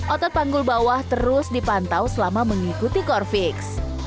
otot panggul bawah terus dipantau selama mengikuti core fix